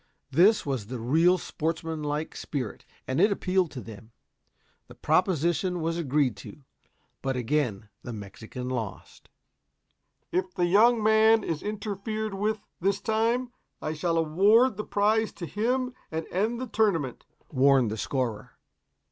This was the real sportsman like spirit, and it appealed to them. The proposition was agreed to. But again the Mexican lost. "If the young man is interfered with this time, I shall award the prize to him and end the tournament," warned the scorer.